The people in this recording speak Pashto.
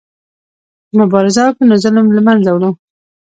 که مبارزه وکړو نو ظلم له منځه وړو.